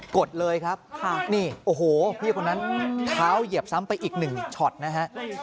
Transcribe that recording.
กดเลยครับนี่โอ้โหพี่คนนั้นเท้าเหยียบซ้ำไปอีกหนึ่งช็อตนะฮะ